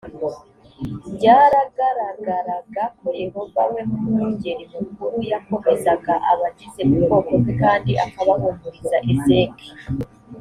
byaragaragaraga ko yehova we mwungeri mukuru yakomezaga abagize ubwoko bwe kandi akabahumuriza ezek